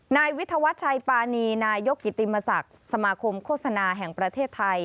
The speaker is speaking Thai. นายวิทยาวัชชัยปานีนายกกิติมศักดิ์สมาคมโฆษณาแห่งประเทศไทย